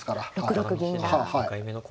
６六銀が。